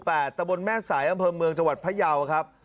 ตะบนแม่สายอำเภอเมืองจังหวัดพยาวครับ